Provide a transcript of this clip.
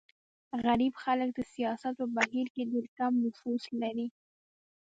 غریب خلک د سیاست په بهیر کې ډېر کم نفوذ لري.